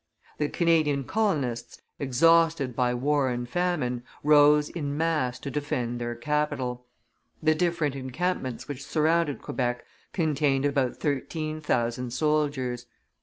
The Canadian colonists, exhausted by war and famine, rose in mass to defend their capital. The different encampments which surrounded Quebec contained about thirteen thousand soldiers.